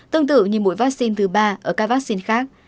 tương tự như mũi vaccine thứ ba ở các vaccine khác